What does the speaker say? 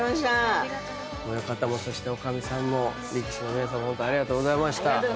親方もそしておかみさんも力士の皆さんもホントありがとうございました。